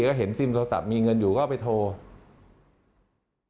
ก็เห็นซิมโทรศัพท์มีเงินอยู่ก็ไปโทร